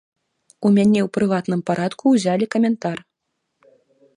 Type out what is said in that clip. У мяне ў прыватным парадку ўзялі каментар.